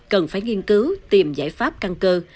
cần phải nghiên cứu tìm giải pháp căn cơ